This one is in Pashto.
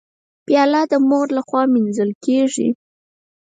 پیاله د مور لخوا مینځل کېږي.